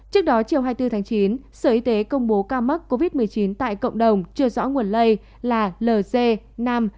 trước đó chiều hai mươi bốn tháng chín sở y tế công bố ca mắc covid một mươi chín tại cộng đồng chưa rõ nguồn lây là lg nam